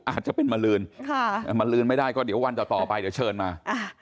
อาจจะเป็นมาลืนค่ะมาลืนไม่ได้ก็เดี๋ยววันต่อต่อไปเดี๋ยวเชิญมา